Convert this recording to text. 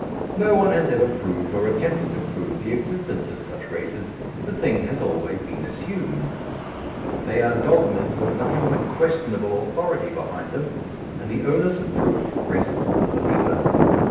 No one has ever proved or attempted to prove the existence of such races, the thing has always been assumed; they are dogmas with nothing but questionable authority behind them, and the onus of proof rests on the believer.